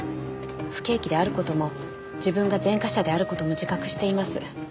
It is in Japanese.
不景気である事も自分が前科者である事も自覚しています。